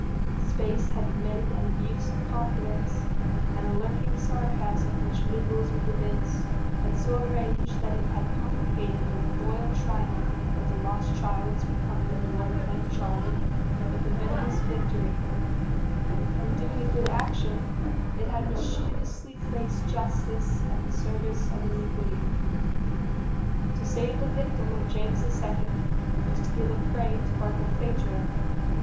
Space had committed an abuse of confidence, and a lurking sarcasm which mingles with events had so arranged that it had complicated the loyal triumph of the lost child's becoming Lord Clancharlie with a venomous victory: in doing a good action, it had mischievously placed justice at the service of iniquity. To save the victim of James II. was to give a prey to Barkilphedro.